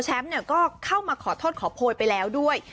แท็ปเนี่ยก็เข้ามาขอโทษขอโพยไปแล้วด้วย